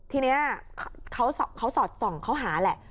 ทีนี้เขาสอดส่องเขาหาแหละ